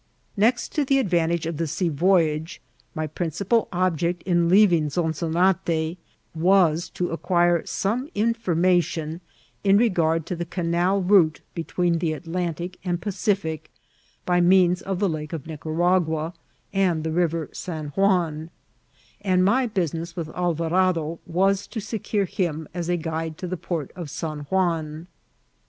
Next to the advantage of the sea voyage, my princi pal object in leaving Zoneonate was to acquire some information in regard to the canal route between the ▲ LIHVBLA. Mt Atlantic and Pacific by means of the' Lake of Nicara* gna and the Rrvei San Juan^ and my bunneas with Al« ▼arado was to secure him as a guide to the p<Hrt of Ban Juan.